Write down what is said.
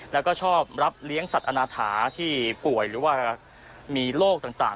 แล้วก็ชอบรับเลี้ยงสัตว์อนาถาที่ป่วยหรือว่ามีโรคต่าง